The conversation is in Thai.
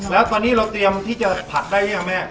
แล้วตอนนี้เราเตรียมที่จะผัดได้หรือยังแม่